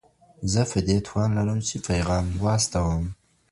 زه په دې توان لرم چې پیغام واستوم.